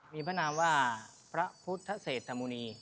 มีพระนามว่าพระพุทธเศรษฐมุณี